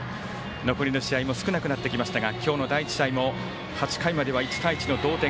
残りの試合も少なくなってきましたが今日の第１試合も８回までは１対１の同点。